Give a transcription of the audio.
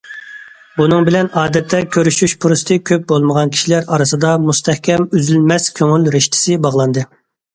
بۇنىڭ بىلەن ئادەتتە كۆرۈشۈش پۇرسىتى كۆپ بولمىغان كىشىلەر ئارىسىدا مۇستەھكەم، ئۈزۈلمەس كۆڭۈل رىشتىسى باغلاندى.